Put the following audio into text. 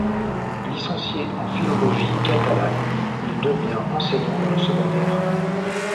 Licencié en philologie catalane, il devient enseignant dans le secondaire.